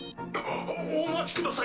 お待ちください